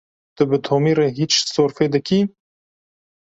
Tu bi Tomî re hîç sorfê dikî?